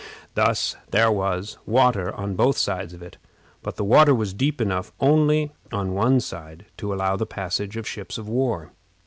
Thus there was water on both sides of it, but the water was deep enough only on one side to allow of the passage of ships of war.